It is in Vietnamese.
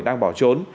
đang bỏ trốn